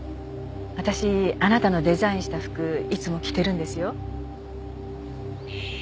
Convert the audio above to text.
私あなたのデザインした服いつも着てるんですよ。